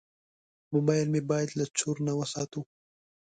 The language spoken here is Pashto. موبایل مو باید له چور نه وساتو.